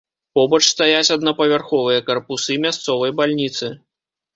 Побач стаяць аднапавярховыя карпусы мясцовай бальніцы.